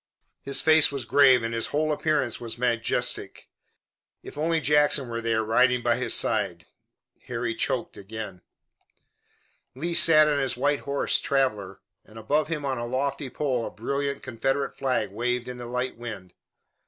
His face was grave and his whole appearance was majestic. If only Jackson were there, riding by his side! Harry choked again. Lee sat on his white horse, Traveler, and above him on a lofty pole a brilliant Confederate flag waved in the light wind.